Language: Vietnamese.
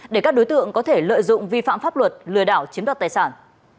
để các đối tượng có thể lợi dụng vi phạm pháp luật lừa đảo chiếm đoạt tài sản